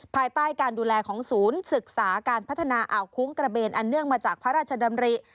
ภายใต้การดูแลของศูนย์ศึกษาการพัฒนาอ่าวคุ้งกระเบนอันเนื่องมาจากพระราชดำริ